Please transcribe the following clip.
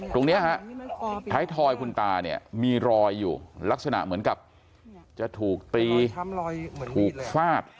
ตรงนี้ฮะท้ายทอยคุณตาเนี่ยมีรอยอยู่ลักษณะเหมือนกับจะถูกตีถูกฟาด